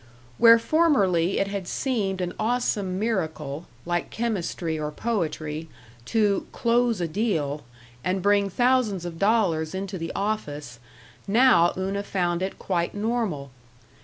Where formerly it had seemed an awesome miracle, like chemistry or poetry, to "close a deal" and bring thousands of dollars into the office, now Una found it quite normal.